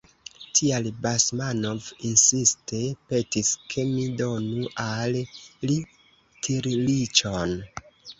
Tial Basmanov insiste petis, ke mi donu al li tirliĉon.